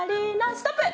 ストップ！